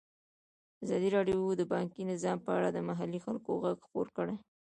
ازادي راډیو د بانکي نظام په اړه د محلي خلکو غږ خپور کړی.